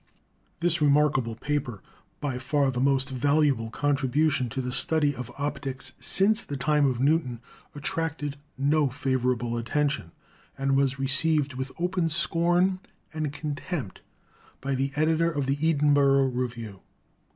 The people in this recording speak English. This remarkable paper, by far the most valuable con tribution to the study of optics since the time of Newton, attracted no favorable attention and was received with open scorn and contempt by the editor of the Edinboro Review.